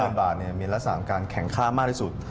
ค่าเงินบาทมีระสามการแข็งค่ามากที่สุด